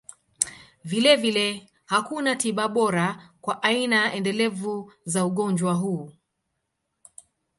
Vilevile, hakuna tiba bora kwa aina endelevu za ugonjwa huu.